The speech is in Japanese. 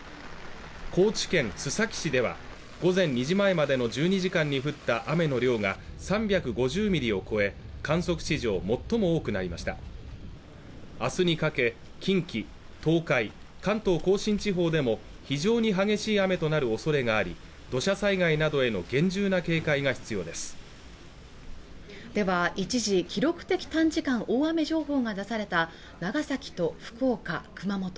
高知県須崎市では午前２時前までの１２時間に降った雨の量が３５０ミリを超え観測史上最も多くなりました明日にかけ近畿、東海、関東甲信地方でも非常に激しい雨となるおそれがあり土砂災害などへの厳重な警戒が必要ですでは一時記録的短時間大雨情報が出された長崎と福岡、熊本